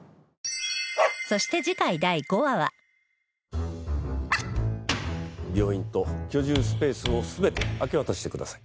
そして病院と居住スペースを全て明け渡してください。